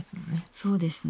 そうですね。